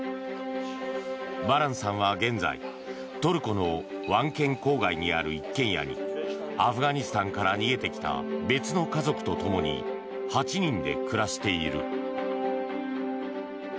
バランさんは現在、トルコのワン県郊外にある一軒家にアフガニスタンから逃げてきた別の家族とともに８人で暮らしている。